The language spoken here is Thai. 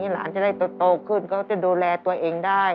หลานจะได้โตขึ้นเขาจะดูแลตัวเองได้